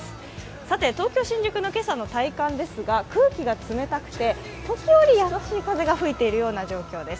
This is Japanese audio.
さて東京・新宿の今朝の体感ですが空気が冷たくて時折優しい風が吹いているような状況です。